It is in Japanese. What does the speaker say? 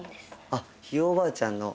あっひいおばあちゃんの。